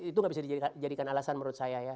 itu nggak bisa dijadikan alasan menurut saya ya